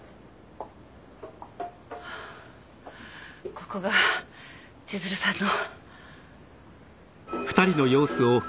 ここが千鶴さんの。